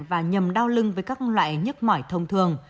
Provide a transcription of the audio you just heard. và nhầm đao lưng với các loại nhức mỏi thông thường